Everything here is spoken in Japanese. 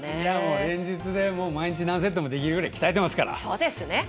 連日で毎日何セットもできるくらい鍛えてますから。